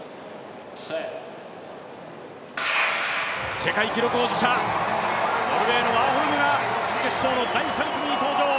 世界記録保持者、ノルウェーのワーホルムが準決勝の第３組に登場。